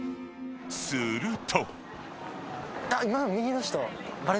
［すると］